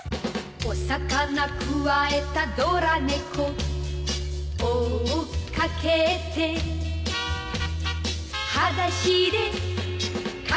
「お魚くわえたドラ猫」「追っかけて」「はだしでかけてく」